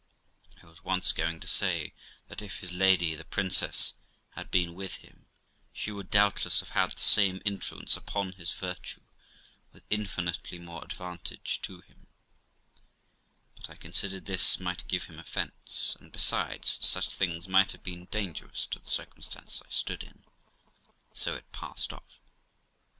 I was once going to say that if his lady, the princess, had been with him, she would doubtless have had the same influence upon his virtue, with infinitely more advantage to him ; but I considered this might give him offence ; and, besides, such things might have been dangerous to the circumstance I stood in, so it passed off.